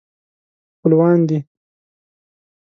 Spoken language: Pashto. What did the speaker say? خپلوان دي.